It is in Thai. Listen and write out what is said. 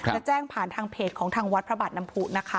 จะแจ้งผ่านทางเพจของทางวัดพระบาทน้ำผู้นะคะ